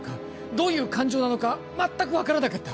どういう感情なのか全く分からなかった。